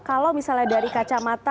kalau misalnya dari kacamata